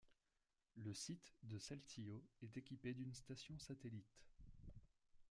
Le site de Saltillo est équipé d'une station satellite.